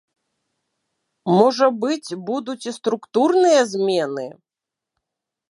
Можа быць, будуць і структурныя змены.